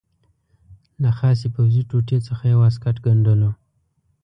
له خاصې پوځي ټوټې څخه یې واسکټ ګنډلو.